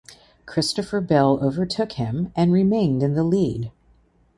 Christopher Bell overtook him and remained in the lead.